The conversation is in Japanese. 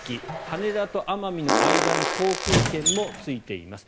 羽田と奄美の間の航空券もついています。